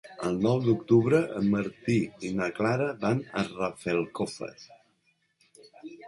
El nou d'octubre en Martí i na Clara van a Rafelcofer.